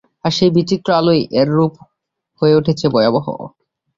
আর সেই বিচিত্র আলোয় এর রূপ হয়ে উঠেছে ভয়াবহ।